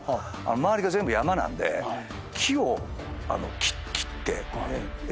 周りが全部山なんで木を切って。